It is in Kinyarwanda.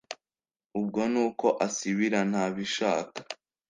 ubwo nuko asibira ntabishaka